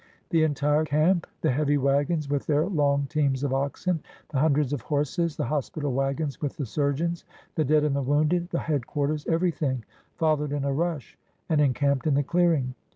The entire camp — the heavy wagons with their long teams of oxen; the hundreds of horses; the hospital wag ons with the surgeons, the dead and the wounded; the headquarters, everything — followed in a rush and en camped in the clearing.